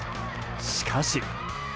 しかし。